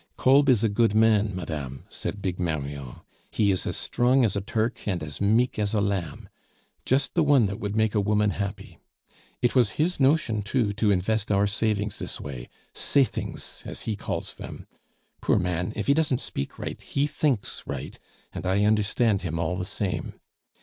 "Kolb is a good man, madame," said Big Marion; "he is as strong as a Turk, and as meek as a lamb. Just the one that would make a woman happy. It was his notion, too, to invest our savings this way 'safings,' as he calls them. Poor man, if he doesn't speak right, he thinks right, and I understand him all the same.